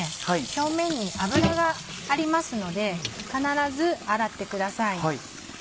表面に油がありますので必ず洗ってください。